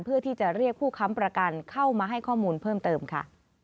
เพื่อที่จะเรียกผู้ค้ำประกันเข้ามาให้ข้อมูลเพิ่มเติมค่ะ